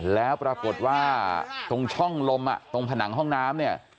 แล้วปรากฏว่าตรงช่องลมตรงผนังห้องน้ำเนี่ย